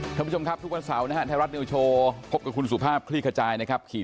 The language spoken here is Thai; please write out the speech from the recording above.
ทุกวันเสาร์นะฮะทายรัฐนิวโชว์พบกับคุณสุภาพคลีกะจายนะครับขี่